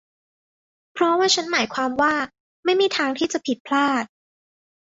เพราะว่าฉันหมายความว่าไม่มีทางที่จะผิดพลาด